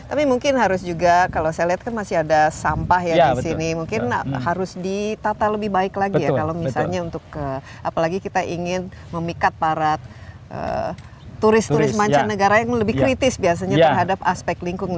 tapi mungkin harus juga kalau saya lihat kan masih ada sampah ya di sini mungkin harus ditata lebih baik lagi ya kalau misalnya untuk apalagi kita ingin memikat para turis turis mancanegara yang lebih kritis biasanya terhadap aspek lingkungan